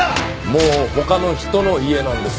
もう他の人の家なんです。